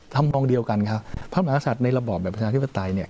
มองเดียวกันครับพระมหาศัตริย์ในระบอบแบบประชาธิปไตยเนี่ย